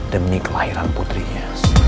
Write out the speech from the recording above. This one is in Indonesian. demi kelahiran putrinya